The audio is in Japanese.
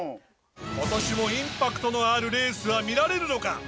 今年もインパクトのあるレースは見られるのか。